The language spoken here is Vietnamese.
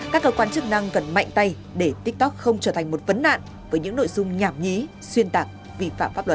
các cơ quan chức năng cần mạnh tay để tiktok không trở thành một vấn nạn với những nội dung nhảm nhí xuyên tạc vi phạm pháp luật